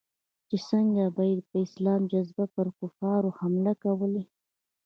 چې څنگه به يې په اسلامي جذبه پر کفارو حملې کولې.